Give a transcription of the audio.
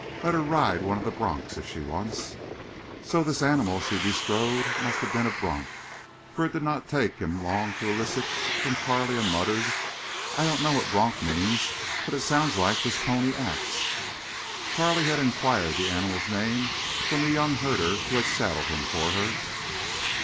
Let her ride one of the broncs, if she wants." So this animal she bestrode must have been a bronc, for it did not take him long to elicit from Carley a muttered, "I don't know what bronc means, but it sounds like this pony acts." Carley had inquired the animal's name from the young herder who had saddled him for her.